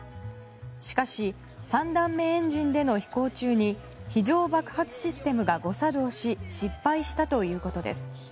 しかし３段目のエンジンでの飛行中に非常爆発システムが誤作動し失敗したということです。